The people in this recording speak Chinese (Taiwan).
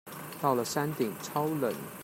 到了山頂超冷